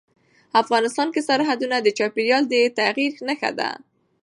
افغانستان کې سرحدونه د چاپېریال د تغیر نښه ده.